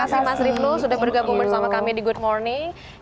terima kasih mas riflu sudah bergabung bersama kami di good morning